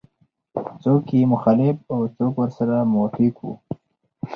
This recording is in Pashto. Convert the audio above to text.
څوک یې مخالف او څوک ورسره موافق وو.